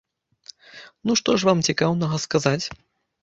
Ну, што ж вам цікаўнага сказаць?